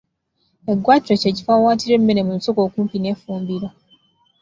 Eggwaatiro kye kifo awawaatirwa emmere mu lusuku okumpi n’effumbiro.